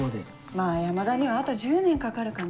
まぁ山田にはあと１０年かかるかな。